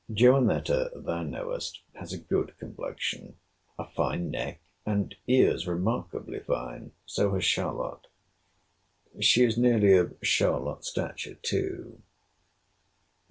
Johanetta, thou knowest, has a good complexion, a fine neck, and ears remarkably fine—so has Charlotte. She is nearly of Charlotte's stature too.